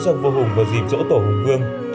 trong vua hùng vào dịp dỗ tổ hùng vương